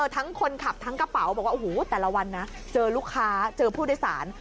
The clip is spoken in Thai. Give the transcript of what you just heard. ทั้งคนขับทั้งกระเป๋าบอกว่าโอ้โหแต่ละวันนะเจอลูกค้าเจอผู้โดยสาร